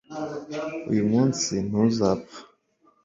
uyu munsi ntuzapfa